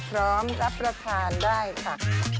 รับประทานได้ค่ะ